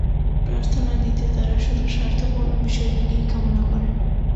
প্রার্থনাদিতে তারা শুধু স্বার্থপূর্ণ বিষয়গুলিই কামনা করে।